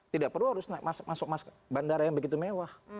tidak perlu harus masuk bandara yang begitu mewah